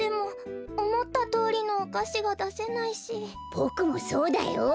ボクもそうだよ。